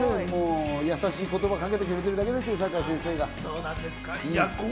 やさしい言葉をかけてくれてるだけですよ、堺先生が。